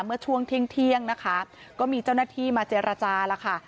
เมื่อช่วงเที่ยงนะคะก็มีเจ้าหน้าที่มาเจรจาแล้วค่ะ